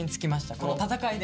この戦いで。